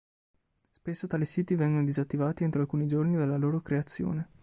Spesso tali siti vengono disattivati entro alcuni giorni dalla loro creazione.